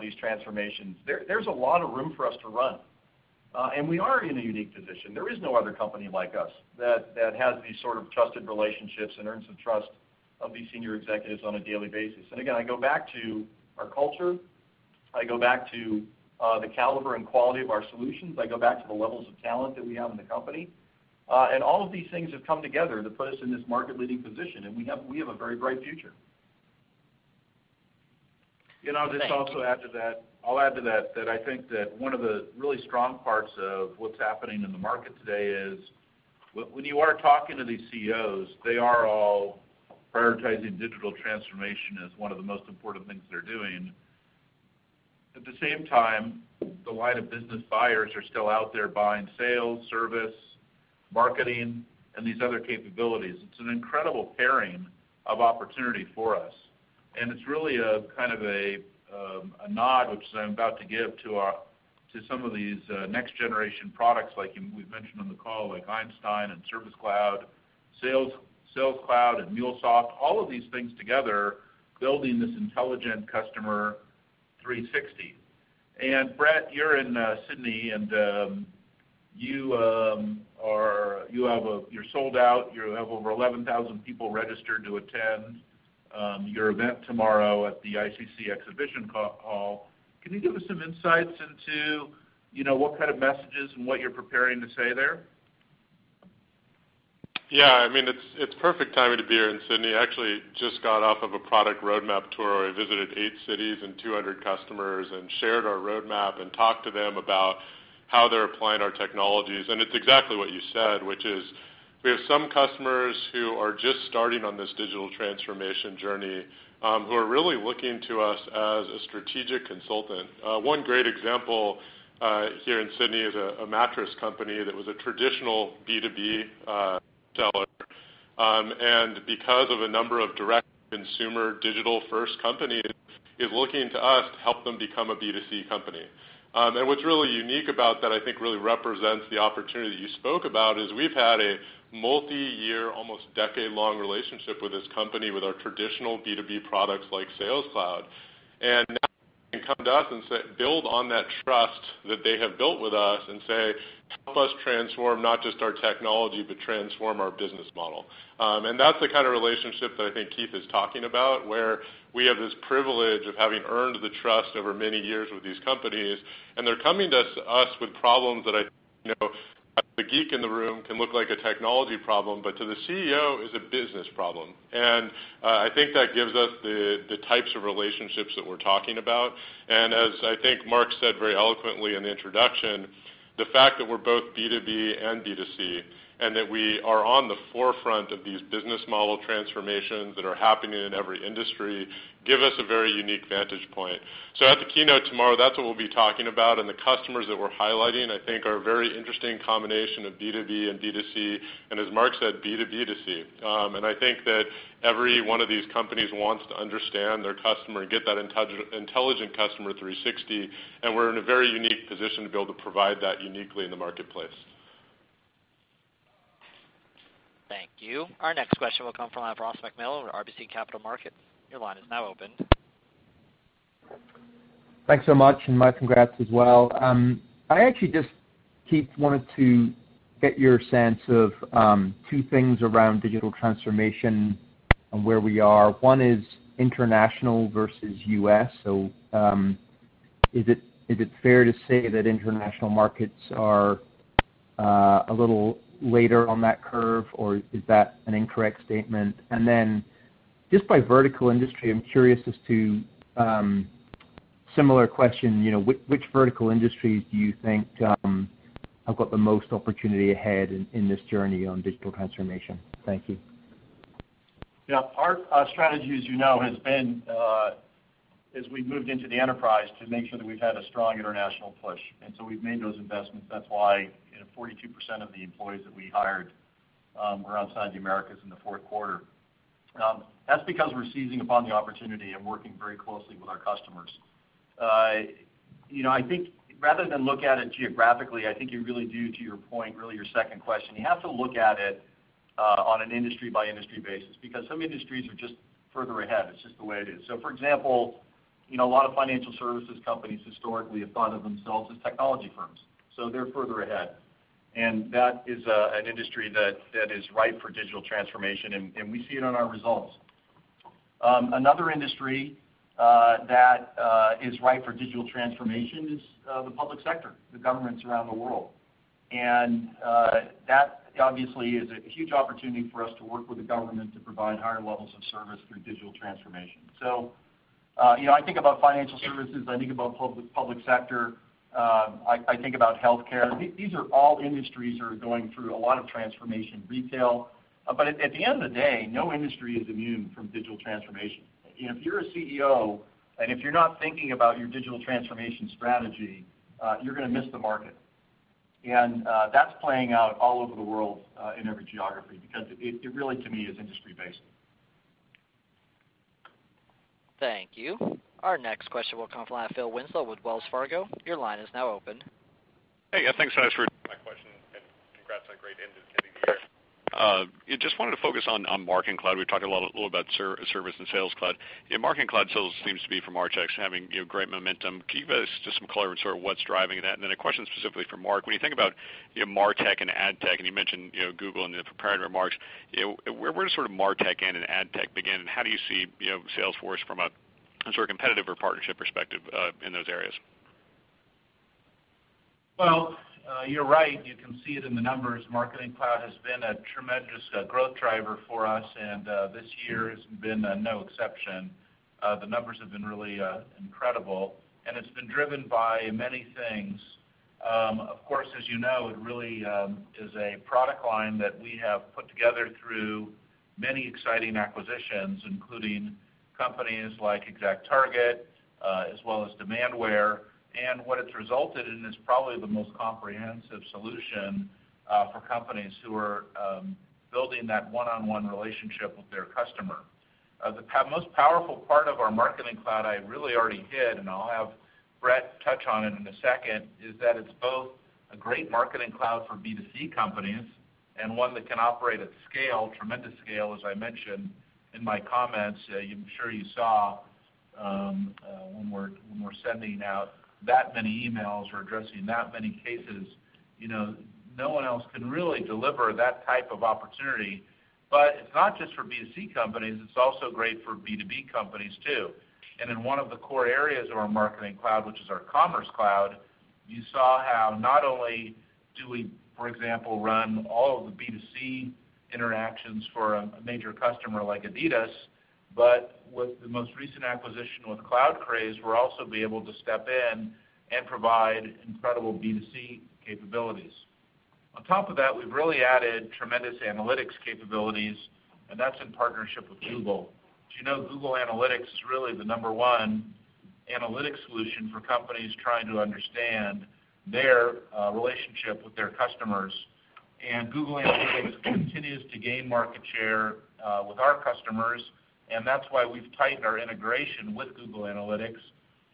these transformations, there's a lot of room for us to run. We are in a unique position. There is no other company like us that has these sort of trusted relationships and earns the trust of these senior executives on a daily basis. Again, I go back to our culture. I go back to the caliber and quality of our solutions. I go back to the levels of talent that we have in the company. All of these things have come together to put us in this market-leading position, and we have a very bright future. Thank you. I'll add to that I think that one of the really strong parts of what's happening in the market today is when you are talking to these CEOs, they are all prioritizing digital transformation as one of the most important things they're doing. At the same time, the line of business buyers are still out there buying Sales, Service, Marketing, and these other capabilities. It's an incredible pairing of opportunity for us, and it's really a kind of a nod, which is I'm about to give to some of these next generation products like we've mentioned on the call, like Einstein and Service Cloud, Sales Cloud, and MuleSoft, all of these things together, building this intelligent Customer 360. Bret, you're in Sydney, and you're sold out. You have over 11,000 people registered to attend your event tomorrow at the ICC Exhibition Hall. Can you give us some insights into what kind of messages and what you're preparing to say there? Yeah, it's perfect timing to be here in Sydney. Actually, just got off of a product roadmap tour where I visited eight cities and 200 customers and shared our roadmap and talked to them about how they're applying our technologies. It's exactly what you said, which is we have some customers who are just starting on this digital transformation journey, who are really looking to us as a strategic consultant. One great example here in Sydney is a mattress company that was a traditional B2B seller. Because of a number of direct consumer digital-first companies, is looking to us to help them become a B2C company. What's really unique about that, I think really represents the opportunity that you spoke about, is we've had a multi-year, almost decade-long relationship with this company, with our traditional B2B products like Sales Cloud. They come to us and build on that trust that they have built with us and say, "Help us transform not just our technology, but transform our business model." That's the kind of relationship that I think Keith is talking about, where we have this privilege of having earned the trust over many years with these companies, and they're coming to us with problems that I know, as the geek in the room, can look like a technology problem, but to the CEO is a business problem. I think that gives us the types of relationships that we're talking about. As I think Mark said very eloquently in the introduction, the fact that we're both B2B and B2C and that we are on the forefront of these business model transformations that are happening in every industry give us a very unique vantage point. At the keynote tomorrow, that's what we'll be talking about, and the customers that we're highlighting, I think, are a very interesting combination of B2B and B2C, and as Mark said, B2B2C. I think that every one of these companies wants to understand their customer and get that intelligent Customer 360, and we're in a very unique position to be able to provide that uniquely in the marketplace. Thank you. Our next question will come from Ross MacMillan, RBC Capital Markets. Your line is now open. Thanks so much, my congrats as well. I actually just, Keith, wanted to get your sense of two things around digital transformation and where we are. One is international versus U.S. Is it fair to say that international markets are a little later on that curve, or is that an incorrect statement? Then just by vertical industry, I'm curious as to, similar question, which vertical industries do you think have got the most opportunity ahead in this journey on digital transformation? Thank you. Yeah, our strategy, as you know, has been, as we moved into the enterprise, to make sure that we've had a strong international push. We've made those investments. That's why 42% of the employees that we hired were outside the Americas in the fourth quarter. That's because we're seizing upon the opportunity and working very closely with our customers. I think rather than look at it geographically, I think you really do, to your point, really your second question, you have to look at it on an industry-by-industry basis, because some industries are just further ahead. It's just the way it is. For example, a lot of Financial Services companies historically have thought of themselves as technology firms, so they're further ahead. That is an industry that is ripe for digital transformation, and we see it in our results. Another industry that is ripe for digital transformation is the public sector, the governments around the world. That obviously is a huge opportunity for us to work with the government to provide higher levels of service through digital transformation. I think about Financial Services, I think about public sector, I think about Health Cloud. These are all industries that are going through a lot of transformation, retail. At the end of the day, no industry is immune from digital transformation. If you're a CEO, and if you're not thinking about your digital transformation strategy, you're going to miss the market. That's playing out all over the world, in every geography, because it really, to me, is industry-based. Thank you. Our next question will come from Philip Winslow with Wells Fargo. Your line is now open. Hey, thanks for taking my question, and congrats on a great end to the year. Just wanted to focus on Marketing Cloud. We've talked a little about Service and Sales Cloud. Marketing Cloud still seems to be, from our checks, having great momentum. Can you give us just some color on sort of what's driving that? Then a question specifically for Mark. When you think about MarTech and AdTech, and you mentioned Google in the prepared remarks, where does MarTech end and AdTech begin? How do you see Salesforce from a competitive or partnership perspective in those areas? Well, you're right. You can see it in the numbers. Marketing Cloud has been a tremendous growth driver for us, and this year has been no exception. The numbers have been really incredible, and it's been driven by many things. Of course, as you know, it really is a product line that we have put together through many exciting acquisitions, including companies like ExactTarget, as well as Demandware. What it's resulted in is probably the most comprehensive solution for companies who are building that one-on-one relationship with their customer. The most powerful part of our Marketing Cloud I really already hit, and I'll have Bret touch on it in a second, is that it's both a great Marketing Cloud for B2C companies and one that can operate at scale, tremendous scale, as I mentioned in my comments. I'm sure you saw, when we're sending out that many emails or addressing that many cases, no one else can really deliver that type of opportunity. It's not just for B2C companies, it's also great for B2B companies too. In one of the core areas of our Marketing Cloud, which is our Commerce Cloud, you saw how not only do we, for example, run all of the B2C interactions for a major customer like Adidas, but with the most recent acquisition with CloudCraze, we'll also be able to step in and provide incredible B2C capabilities. On top of that, we've really added tremendous analytics capabilities, and that's in partnership with Google. As you know, Google Analytics is really the number 1 analytics solution for companies trying to understand their relationship with their customers. Google Analytics continues to gain market share with our customers, and that's why we've tightened our integration with Google Analytics.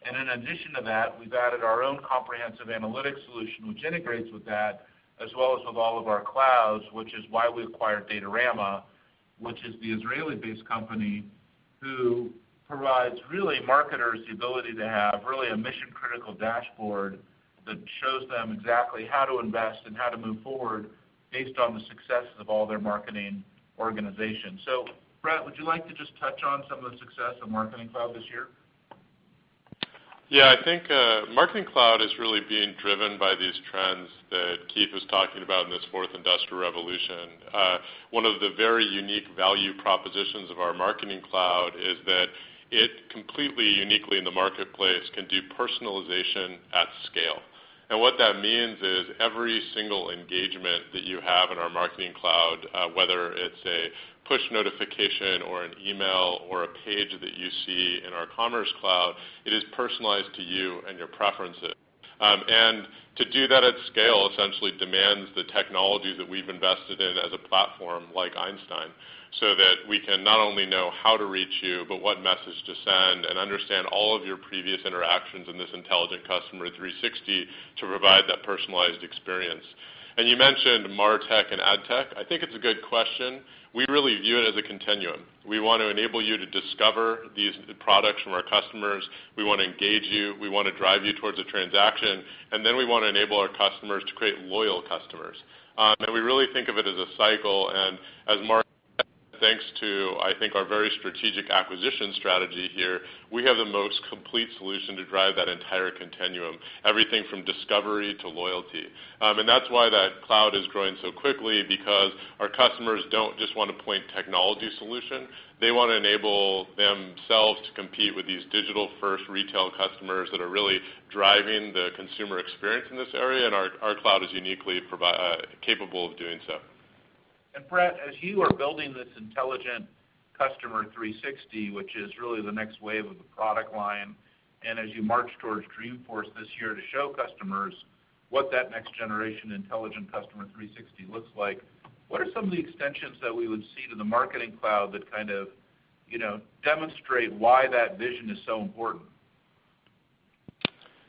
In addition to that, we've added our own comprehensive analytics solution, which integrates with that, as well as with all of our clouds, which is why we acquired Datorama, which is the Israeli-based company who provides, really, marketers the ability to have really a mission-critical dashboard that shows them exactly how to invest and how to move forward based on the successes of all their marketing organizations. Bret, would you like to just touch on some of the success of Marketing Cloud this year? I think Marketing Cloud is really being driven by these trends that Keith was talking about in this fourth industrial revolution. One of the very unique value propositions of our Marketing Cloud is that it completely, uniquely in the marketplace, can do personalization at scale. What that means is every single engagement that you have in our Marketing Cloud, whether it's a push notification or an email or a page that you see in our Commerce Cloud, it is personalized to you and your preferences. To do that at scale essentially demands the technology that we've invested in as a platform like Einstein, so that we can not only know how to reach you, but what message to send, and understand all of your previous interactions in this Intelligent Customer 360 to provide that personalized experience. You mentioned MarTech and AdTech. I think it's a good question. We really view it as a continuum. We want to enable you to discover these products from our customers, we want to engage you, we want to drive you towards a transaction, then we want to enable our customers to create loyal customers. We really think of it as a cycle, as Mark said, thanks to, I think, our very strategic acquisition strategy here, we have the most complete solution to drive that entire continuum, everything from discovery to loyalty. That's why that cloud is growing so quickly, because our customers don't just want a point technology solution. They want to enable themselves to compete with these digital-first retail customers that are really driving the consumer experience in this area, and our cloud is uniquely capable of doing so. Bret, as you are building this Intelligent Customer 360, which is really the next wave of the product line, as you march towards Dreamforce this year to show customers what that next-generation Intelligent Customer 360 looks like, what are some of the extensions that we would see to the Marketing Cloud that kind of demonstrate why that vision is so important?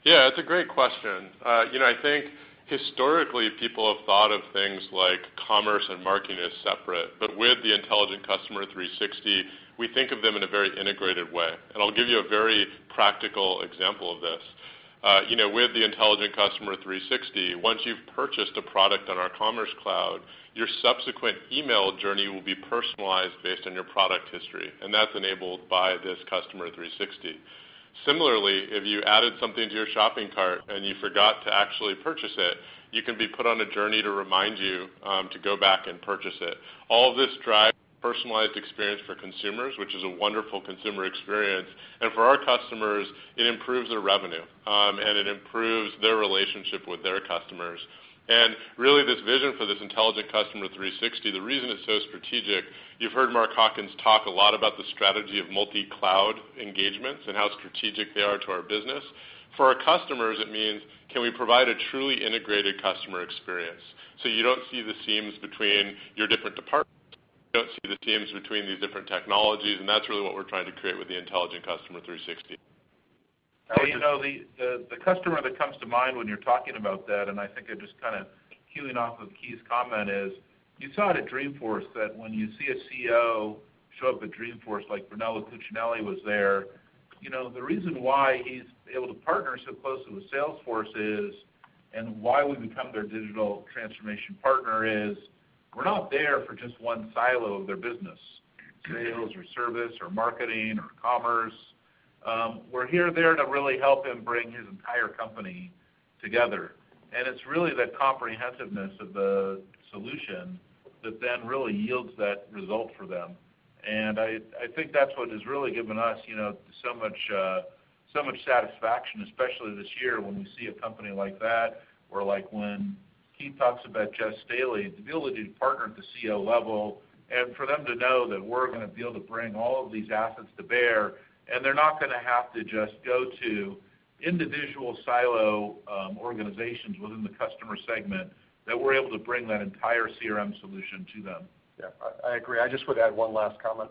Yeah, that's a great question. I think historically, people have thought of things like commerce and marketing as separate. With the Intelligent Customer 360, we think of them in a very integrated way. I'll give you a very practical example of this. With the Intelligent Customer 360, once you've purchased a product on our Commerce Cloud, your subsequent email journey will be personalized based on your product history, and that's enabled by this Customer 360. Similarly, if you added something to your shopping cart and you forgot to actually purchase it, you can be put on a journey to remind you to go back and purchase it. All of this drives personalized experience for consumers, which is a wonderful consumer experience. For our customers, it improves their revenue, and it improves their relationship with their customers. This vision for this Intelligent Customer 360, the reason it's so strategic, you've heard Mark Hawkins talk a lot about the strategy of multi-cloud engagements and how strategic they are to our business. For our customers, it means, can we provide a truly integrated Customer 360 experience? You don't see the seams between your different departments. You don't see the seams between these different technologies, and that's really what we're trying to create with the Intelligent Customer 360. The customer that comes to mind when you're talking about that, I think I'm just kind of keying off of Keith's comment, is you saw it at Dreamforce, that when you see a CEO show up at Dreamforce, like Brunello Cucinelli was there. The reason why he's able to partner so closely with Salesforce is, why we've become their digital transformation partner is, we're not there for just one silo of their business, sales or service or marketing or commerce. We're there to really help him bring his entire company together. It's really that comprehensiveness of the solution that really yields that result for them, I think that's what has really given us so much satisfaction, especially this year, when we see a company like that, or like when Keith talks about Jes Staley, the ability to partner at the CEO level and for them to know that we're going to be able to bring all of these assets to bear, they're not going to have to just go to individual silo organizations within the customer segment, that we're able to bring that entire CRM solution to them. Yeah, I agree. I just would add one last comment.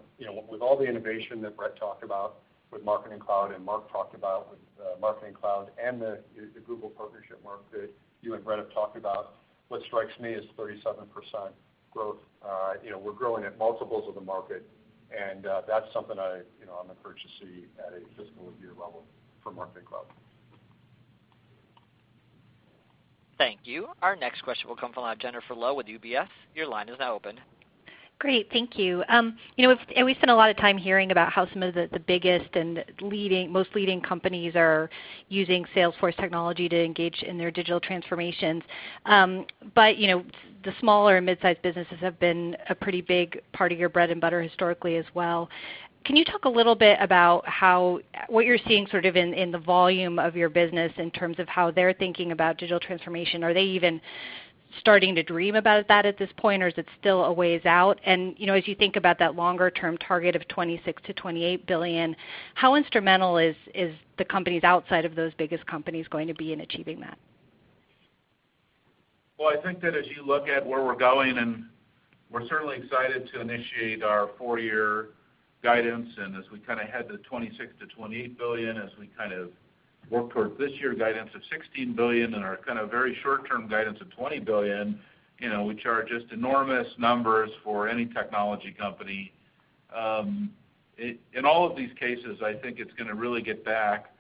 With all the innovation that Bret talked about with Marketing Cloud, Mark talked about with Marketing Cloud, the Google partnership, Mark, that you and Bret have talked about, what strikes me is 37% growth. We're growing at multiples of the market, that's something I'm encouraged to see at a fiscal year level for Marketing Cloud. Thank you. Our next question will come from Jennifer Lowe with UBS. Your line is now open. Great, thank you. We've spent a lot of time hearing about how some of the biggest and most leading companies are using Salesforce technology to engage in their digital transformations. The smaller mid-size businesses have been a pretty big part of your bread and butter historically as well. Can you talk a little bit about what you're seeing in the volume of your business in terms of how they're thinking about digital transformation? Are they even starting to dream about that at this point, or is it still a ways out? As you think about that longer-term target of $26 billion-$28 billion, how instrumental is the companies outside of those biggest companies going to be in achieving that? Well, I think that as you look at where we're going, we're certainly excited to initiate our four-year guidance, as we head to $26 billion-$28 billion, as we work towards this year's guidance of $16 billion, our very short-term guidance of $20 billion, which are just enormous numbers for any technology company. In all of these cases, I think it's going to really get back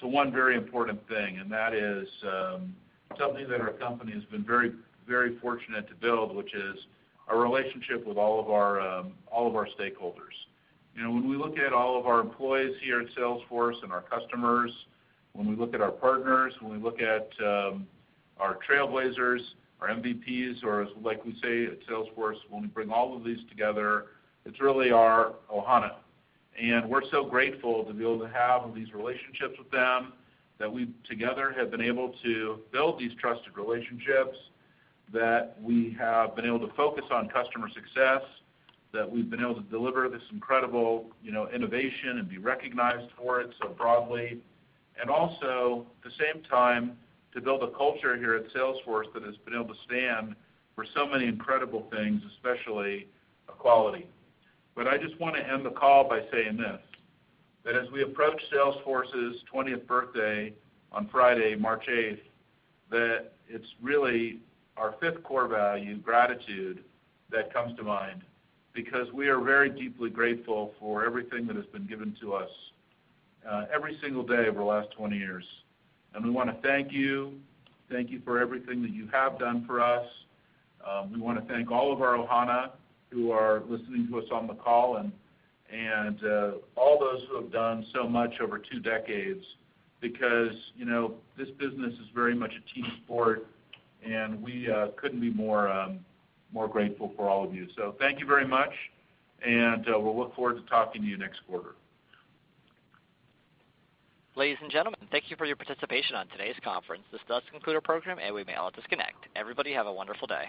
to one very important thing, that is something that our company has been very fortunate to build, which is a relationship with all of our stakeholders. When we look at all of our employees here at Salesforce and our customers, when we look at our partners, when we look at our Trailblazers, our MVPs, or as like we say at Salesforce, when we bring all of these together, it's really our Ohana. We're so grateful to be able to have these relationships with them, that we together have been able to build these trusted relationships, that we have been able to focus on customer success, that we've been able to deliver this incredible innovation and be recognized for it so broadly, also, at the same time, to build a culture here at Salesforce that has been able to stand for so many incredible things, especially equality. I just want to end the call by saying this, that as we approach Salesforce's 20th birthday on Friday, March 8th, that it's really our fifth core value, gratitude, that comes to mind because we are very deeply grateful for everything that has been given to us every single day over the last 20 years. We want to thank you. Thank you for everything that you have done for us. We want to thank all of our ohana who are listening to us on the call and all those who have done so much over two decades because this business is very much a team sport, and we couldn't be more grateful for all of you. Thank you very much, and we'll look forward to talking to you next quarter. Ladies and gentlemen, thank you for your participation on today's conference. This does conclude our program, and we may all disconnect. Everybody have a wonderful day.